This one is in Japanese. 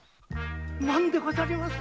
何でござります。